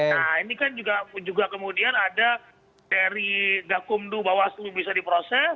nah ini kan juga kemudian ada dari gakumdu bawaslu bisa diproses